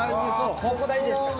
ここ大事ですから。